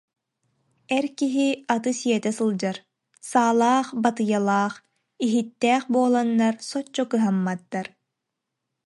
Эр киһи аты сиэтэ сылдьар, саалаах, батыйалаах, иһиттээх буоланнар соччо кыһамматтар